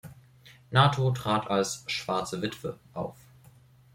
Nato trat als „Schwarze Witwe“ auf.